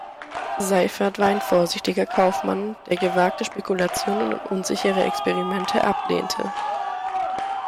Seifert war ein vorsichtiger Kaufmann, der gewagte Spekulationen und unsichere Experimente ablehnte.